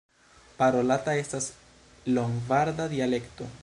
Parolata estas lombarda dialekto.